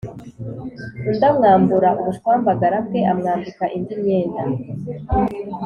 Undi amwambura ubushwambagara bwe, amwambika indi myenda